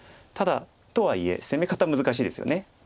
ただとはいえ攻め方難しいですよね。